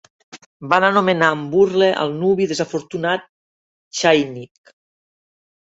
Van anomenar amb burla al nuvi desafortunat "chainik".